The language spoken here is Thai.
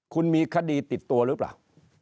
คุณมีคดีติดตัวหรือเปล่า